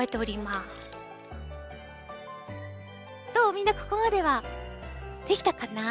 みんなここまではできたかな？